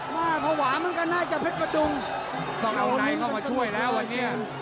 มาภาวะมันก็น่าจะเผ็ดประดุงต้องเอาไหนเข้ามาช่วยแล้ววันนี้